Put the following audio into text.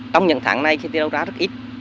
trong những tháng này thì đâu ra rất ít